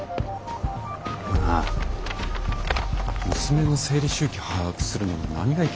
なあ娘の生理周期を把握するのの何がいけないんだろ？